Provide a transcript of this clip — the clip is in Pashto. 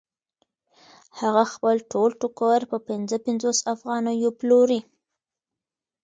هغه خپل ټول ټوکر په پنځه پنځوس افغانیو پلوري